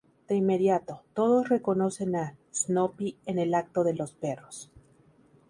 De inmediato, todos reconocen a Snoopy en el acto de los perros.